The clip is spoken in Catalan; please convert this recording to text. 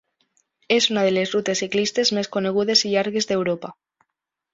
És una de les rutes ciclistes més conegudes i llargues d'Europa.